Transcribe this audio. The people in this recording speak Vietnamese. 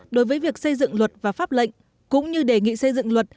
đối với việc xây dựng luật và pháp lệnh cũng như đề nghị xây dựng luật